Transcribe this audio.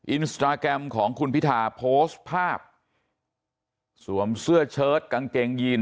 อินสตราแกรมของคุณพิธาโพสต์ภาพสวมเสื้อเชิดกางเกงยีน